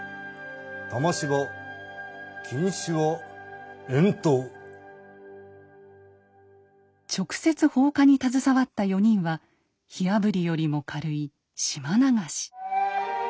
玉芝錦糸は直接放火に携わった４人は火あぶりよりも軽い島流し。